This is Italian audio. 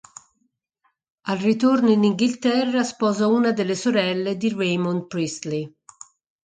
Al ritorno in Inghilterra sposa una delle sorelle di Raymond Priestley.